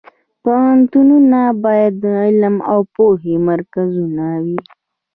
پوهنتونونه باید د علم او پوهې مرکزونه وي